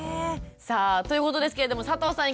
さあということですけれども佐藤さん